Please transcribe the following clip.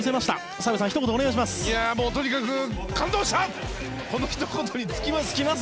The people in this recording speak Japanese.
澤部さん、ひと言お願いします。